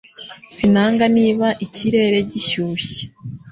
Sinanga niba ikirere gishyushye